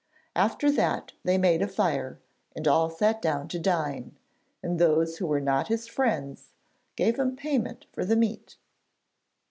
After that they made a fire and all sat down to dine, and those who were not his friends gave him payment for the meat.